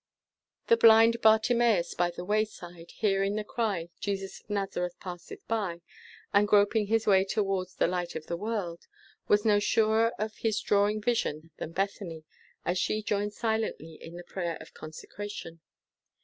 The blind Bartimeus by the wayside, hearing the cry, "Jesus of Nazareth passeth by," and, groping his way towards "the Light of the world," was no surer of his dawning vision than Bethany, as she joined silently in the prayer of consecration.